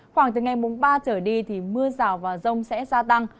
khoảng từ ngày mùng ba trở đi thì mưa rào và rông sẽ gia tăng